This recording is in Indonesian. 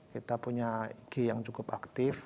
kita punya ig yang cukup aktif